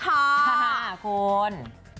ค่ะคุณ